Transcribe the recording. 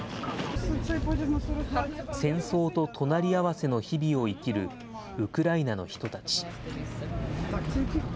戦争と隣り合わせの日々を生きるウクライナの人たち。